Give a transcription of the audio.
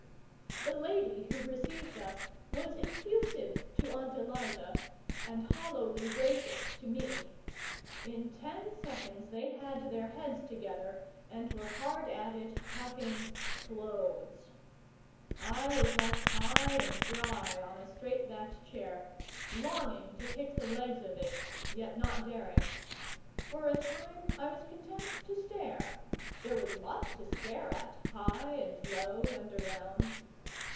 The lady who received us was effusive to Aunt Eliza and hollowly gracious to me. In ten seconds they had their heads together and were hard at it talking CLOTHES. I was left high and dry on a straight backed chair, longing to kick the legs of it, yet not daring. For a time I was content to stare; there was lots to stare at, high and low and around.